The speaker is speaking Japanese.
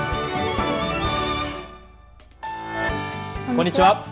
こんにちは。